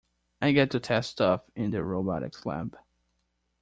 I get to test stuff in the robotics lab.